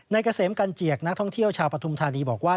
เกษมกันเจียกนักท่องเที่ยวชาวปฐุมธานีบอกว่า